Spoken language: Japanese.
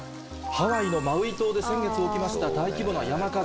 ハワイのマウイ島で先月起きました大規模な山火事。